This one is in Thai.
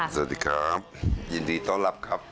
สวัสดีครับยินดีต้อนรับครับ